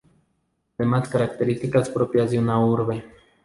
Además características propias de una urbe.